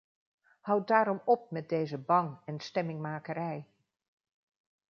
Houd daarom op met deze bang- en stemmingmakerij!